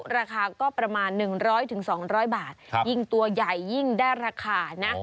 ราคาก็ประมาณ๑๐๐๒๐๐บาทยิ่งตัวใหญ่ยิ่งได้ราคานะ